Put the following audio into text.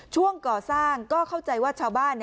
ช่วงก่อสร้างก็เข้าใจว่าชาวบ้าน